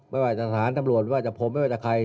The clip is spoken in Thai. ไม่ว่าจะสถานตำรวจไม่ว่าจะผมไม่ว่าจะใคร